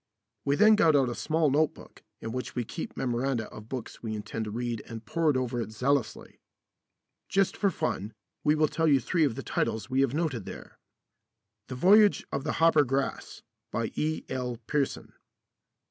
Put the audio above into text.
We then got out a small note book in which we keep memoranda of books we intend to read and pored over it zealously. Just for fun, we will tell you three of the titles we have noted there: "The Voyage of the Hoppergrass," by E.L. Pearson.